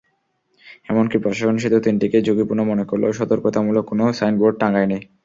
এমনকি প্রশাসন সেতু তিনটিকে ঝুঁকিপূর্ণ মনে করলেও সতর্কতামূলক কোনো সাইনবোর্ড টাঙায়নি।